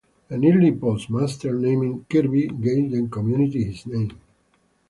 An early postmaster named Kirby gave the community his name.